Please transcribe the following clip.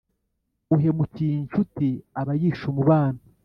uhemukiye incuti aba yishe umubano.